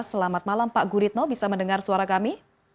selamat malam pak guritno bisa mendengar suara kami